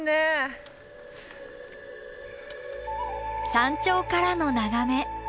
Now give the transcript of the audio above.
山頂からの眺め。